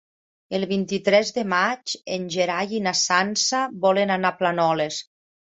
El vint-i-tres de maig en Gerai i na Sança volen anar a Planoles.